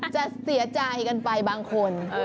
จะเสียใจกันไปบางคน